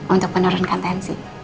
untuk menurunkan tensi